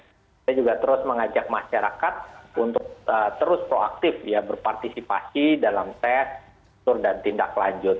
kita juga terus mengajak masyarakat untuk terus proaktif ya berpartisipasi dalam tesur dan tindak lanjut